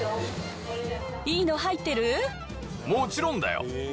もちろんだよ。